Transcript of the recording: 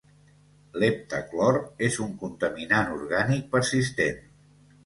L’heptaclor és un contaminant orgànic persistent.